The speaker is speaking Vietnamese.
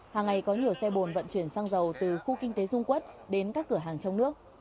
hàng ngày có nhiều xe bồn vận chuyển xăng dầu từ khu kinh tế dung quốc đến các cửa hàng trong nước